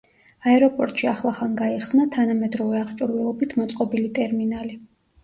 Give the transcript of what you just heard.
აეროპორტში ახლახან გაიხსნა თანამედროვე აღჭურვილობით მოწყობილი ტერმინალი.